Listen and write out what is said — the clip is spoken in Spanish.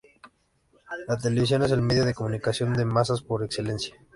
La televisión es el medio de comunicación de masas por excelencia.